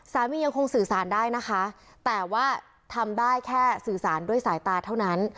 ยังคงสื่อสารได้นะคะแต่ว่าทำได้แค่สื่อสารด้วยสายตาเท่านั้น